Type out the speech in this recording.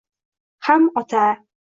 Ham ota